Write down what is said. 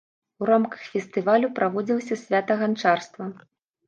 У рамках фестывалю праводзілася свята ганчарства.